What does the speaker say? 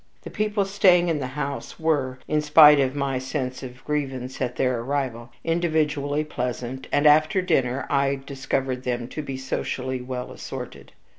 The people staying in the house were, in spite of my sense of grievance at their arrival, individually pleasant, and after dinner I discovered them to be socially well assorted.